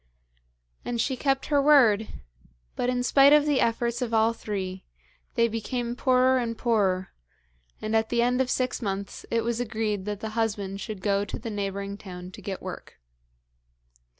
[Illustration: THE PRINCESS CHOOSES] And she kept her word; but in spite of the efforts of all three, they became poorer and poorer; and at the end of six months it was agreed that the husband should go to the neighbouring town to get work.